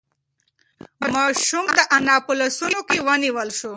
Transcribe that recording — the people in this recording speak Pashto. ماشوم د انا په لاسونو کې ونیول شو.